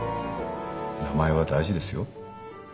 名前は大事ですよ。